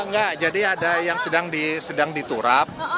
enggak jadi ada yang sedang diturap